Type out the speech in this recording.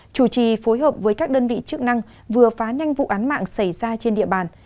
chủ trì phối hợp với các đơn vị chức năng vừa phá nhanh vụ án mạng xảy ra trên địa bàn